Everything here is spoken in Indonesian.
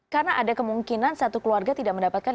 karena ada kemungkinan satu keluarga tidak mendapatkan